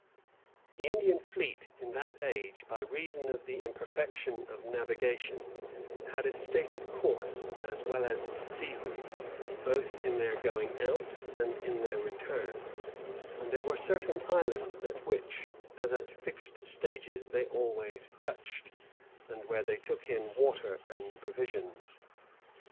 The Indian fleet in that age, by reason of the imperfection of navigation, had a stated course, as well as season, both in their going out and in their return; and there were certain islands at which, as at fixed stages, they always touched, and where they took in water and provisions.